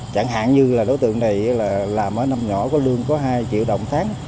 chẳng hạn như là đối tượng này là làm ở năm nhỏ có lương có hai triệu đồng tháng